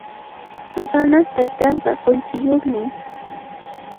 Susanaq taytanqa qullqiyuqmi.